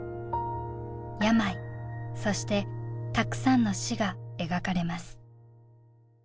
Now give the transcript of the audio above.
病そしてたくさんの死が描かれます。